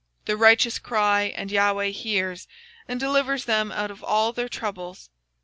The righteous cry, and the LORD heareth, And delivereth them out of all their troubles.